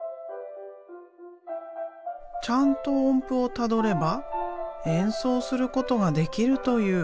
ちゃんと音符をたどれば演奏することができるという。